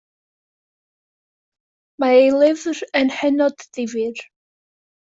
Mae ei lyfr yn hynod ddifyr.